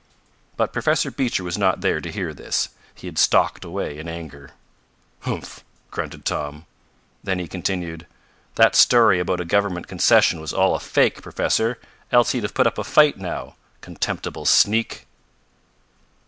But Professor Beecher was not there to hear this. He had stalked away in anger. "Humph!" grunted Tom. Then he continued: "That story about a government concession was all a fake, Professor, else he'd have put up a fight now. Contemptible sneak!"